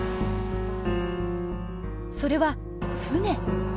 それは船。